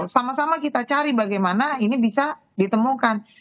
sama sama kita cari bagaimana ini bisa ditemukan